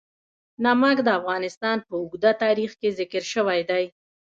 نمک د افغانستان په اوږده تاریخ کې ذکر شوی دی.